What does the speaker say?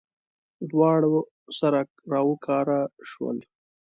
دواړه سره راوکاره شول.